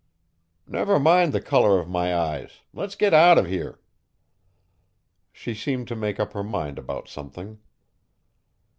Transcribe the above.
"Never mind the color of my eyes let's get out of here." She seemed to make up her mind about something.